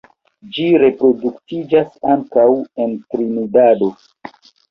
Ĝi reproduktiĝas ankaŭ en Trinidado.